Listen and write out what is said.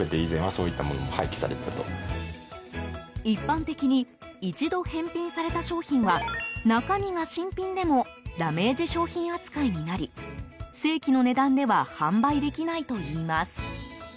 一般的に一度、返品された商品は中身が新品でもダメージ商品扱いになり正規の値段では販売できないといいます。